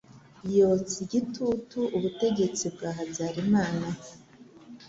yotsa igitutu ubutegetsi bwa Habyarimana,